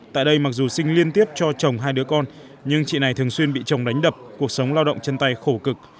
tại đây mặc dù sinh liên tiếp cho chồng hai đứa con nhưng chị này thường xuyên bị chồng đánh đập cuộc sống lao động chân tay khổ cực